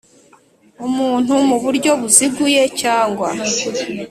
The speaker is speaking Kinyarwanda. Umuntu mu buryo buziguye cyangwa